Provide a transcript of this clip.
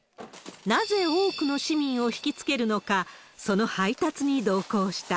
なぜ多くの市民を引きつけるのか、その配達に同行した。